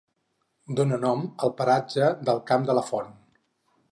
Dóna nom al paratge del Camp de la Font.